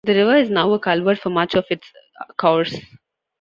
The river is now a culvert for much of its cours.